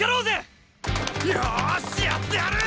よしやってやる！